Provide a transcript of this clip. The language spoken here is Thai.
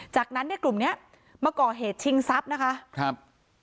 จากนั้นเนี่ยกลุ่มเนี้ยมาก่อเหตุชิงทรัพย์นะคะครับ